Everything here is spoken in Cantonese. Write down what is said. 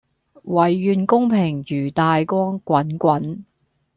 唯願公平如大江滾滾